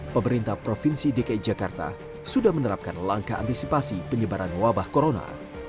pemerintah provinsi dki jakarta sudah menerapkan langkah antisipasi penyebaran wabah corona